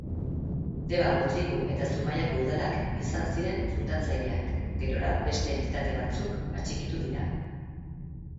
Deba, Mutriku eta Zumaiako udalak izan ziren fundatzaileak; gerora beste entitate batzuk atxikitu dira.